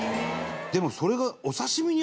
でもそれが。